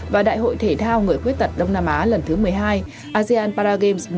và đại hội thể thao người khuyết tật đông nam á lần thứ một mươi hai asean paragames một mươi